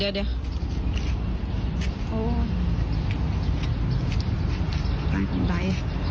ตายของใด